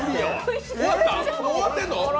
もう終わってんの！？